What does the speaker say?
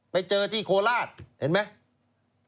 ไปเจอที่โคราชเห็นไหม